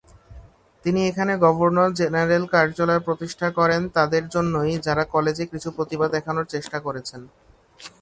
তিনি এখানে governor general কার্যালয় প্রতিষ্ঠা করেন তাদের জন্যই যারা কলেজে কিছু প্রতিভা দেখানোর চেষ্টা করেছেন।